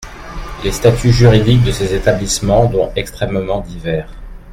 Les statuts juridiques de ces établissements dont extrêmement divers.